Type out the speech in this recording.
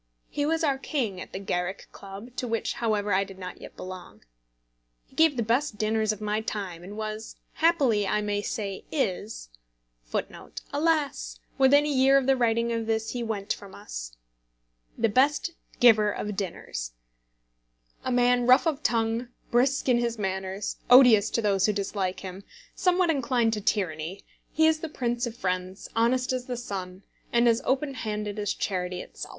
He was our king at the Garrick Club, to which, however, I did not yet belong. He gave the best dinners of my time, and was, happily I may say is, the best giver of dinners. A man rough of tongue, brusque in his manners, odious to those who dislike him, somewhat inclined to tyranny, he is the prince of friends, honest as the sun, and as open handed as Charity itself.